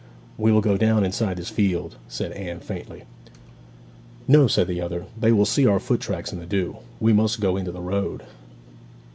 'We will go down inside this field,' said Anne faintly. 'No!' said the other; 'they will see our foot tracks in the dew. We must go into the road.'